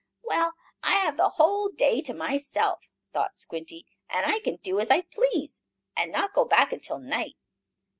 "Well, I have the whole day to myself!" thought Squinty. "I can do as I please, and not go back until night.